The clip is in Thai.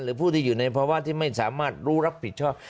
หรือผู้ในภาวะที่ไม่สามารถรูรับผิดชอบ